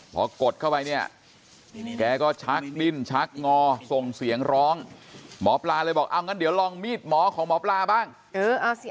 พอกดเข้าไปเนี่ยแกก็ชักดิ้นชักงอส่งเสียงร้องหมอปลาเลยบอกเอางั้นเดี๋ยวลองมีดหมอของหมอปลาบ้าง